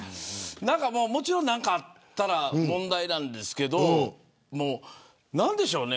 もちろん何かあったら問題なんですけど何でしょうね。